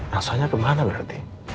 elsa nya kemana berarti